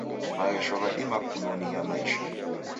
Maghesho ghadima kukunonia maisha